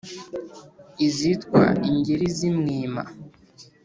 Izitwa Ingeri z’i Mwima,